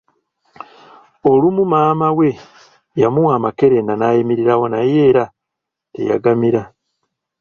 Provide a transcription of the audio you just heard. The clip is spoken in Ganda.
Olumu maama we yamuwa amakerenda naayimirirawo naye era teyagamira